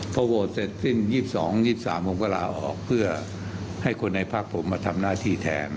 พอโหวตเสร็จสิ้น๒๒๒๓ผมก็ลาออกเพื่อให้คนในภาคผมมาทำหน้าที่แทน